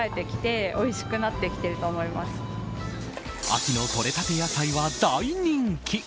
秋のとれたて野菜は大人気。